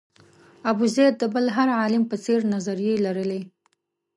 ابوزید د بل هر عالم په څېر نظریې لرلې.